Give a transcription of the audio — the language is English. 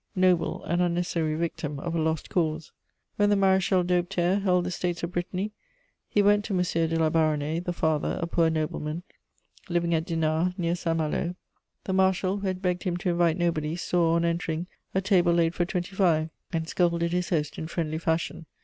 Noble and unnecessary victim of a lost cause! When the Maréchal d'Aubeterre held the States of Brittany, he went to M. de La Baronnais, the father, a poor nobleman, living at Dinard, near Saint Malo. The Marshal, who had begged him to invite nobody, saw, on entering, a table laid for twenty five, and scolded his host in friendly fashion.